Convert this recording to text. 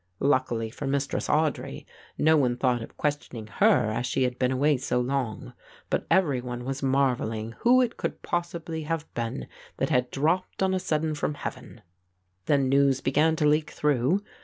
"Luckily for Mistress Audry no one thought of questioning her as she had been away so long; but every one was marvelling who it could possibly have been that had dropped on a sudden from heaven. "Then news began to leak through.